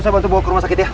bantu bawa ke rumah sakit ya